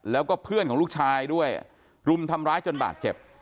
แล้วก็เพื่อนของลูกชายด้วยรุมทำร้ายจนบาดเจ็บ